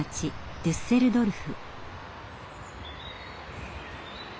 デュッセルドルフ。